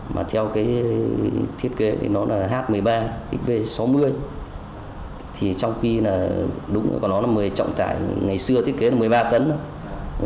mà theo thiết kế thì nó là h một mươi ba xv sáu mươi trong khi nó mới trọng tải ngày xưa thiết kế là một mươi ba tấn